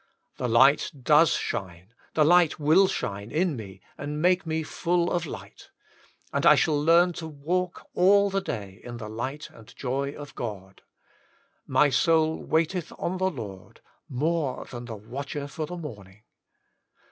The light does shine, the light will shine in me, and make me full of light. And I shall learn to walk all the day in the light and joy of God. My soul waiteth on the Lord, more than watcher for the morning.